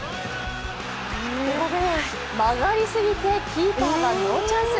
曲がりすぎてキーパーはノーチャンス。